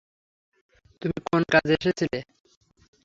তুমি কোন কাজে এসেছিলে?